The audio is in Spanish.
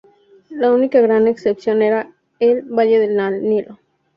La única gran excepción era el Valle del Nilo.